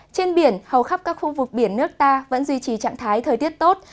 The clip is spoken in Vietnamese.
trên biển hầu khắp các khu vực biển nước ta vẫn duy trì trạng thái thời tiết tốt